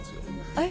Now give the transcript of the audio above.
えっ？